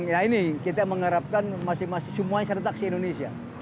yang ini kita mengharapkan masih semuanya serentak di indonesia